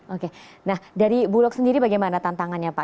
oke nah dari bulog sendiri bagaimana tantangannya pak